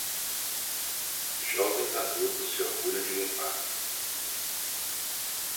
Jovens adultos se orgulham de limpar.